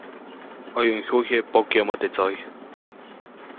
ʼOyuʼuŋ jyuyje pokyäʼmä teʼ tsojy.